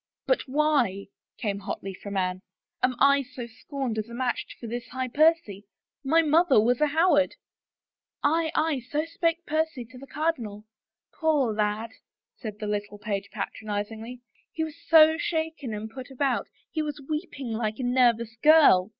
" But why," came hotly from Anne, '* am I so scorned as a match for this high Percy? My mother was a Howard —"Aye, aye, so spake Percy to the cardinal. Poor lad," said the little page patronizingly, '' he was so shaken i8 A BROKEN BETROTHAL and put about he was weeping like a nervous girl.